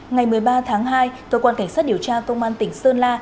ngày một mươi ba tháng hai cơ quan cảnh sát điều tra công an tỉnh sơn la